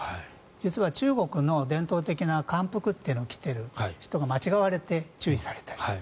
実は中国の伝統的な漢服というのを着ている人が間違われて注意されている。